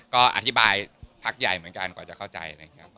ก็อธิบายพักใหญ่เหมือนกันกว่าจะเข้าใจนะครับ